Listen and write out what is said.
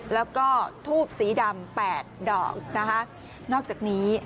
แล้วก็ทูบสีดำแปดดอกนะคะนอกจากนี้